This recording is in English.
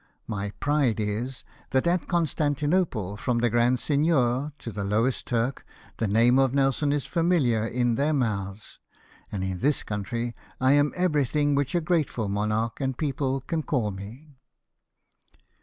My pride is, that at Constantinople, from the Grand Seignior to the lowest Turk, the name of Nelson is famihar in their mouths, and in this country I am everything which a grateful mon arch and people can call me."